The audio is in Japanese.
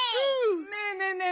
ねえねえねえねえ